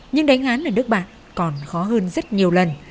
nhưng đánh án ở nước bạn còn khó hơn rất nhiều lần